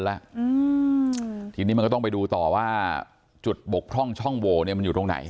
เลยต้องไปดูต่อว่าจุดบกพร่องช่องโว่มันอยู่ตรงไหน